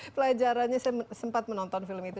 pelajarannya saya sempat menonton film itu